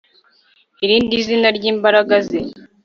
Irindi zina ryimbaraga ze